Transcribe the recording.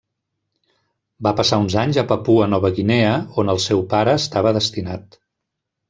Va passar uns anys a Papua Nova Guinea, on el seu pare estava destinat.